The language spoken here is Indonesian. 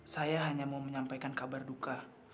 saya hanya mau menyampaikan kabar duka